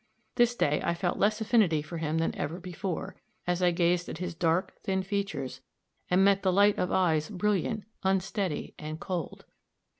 This day I felt less affinity for him than ever before, as I gazed at his dark, thin features, and met the light of eyes brilliant, unsteady and cold.